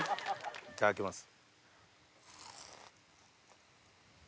いただきます。